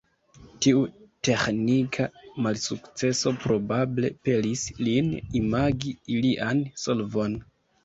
Tiu teĥnika malsukceso probable pelis lin imagi alian solvon.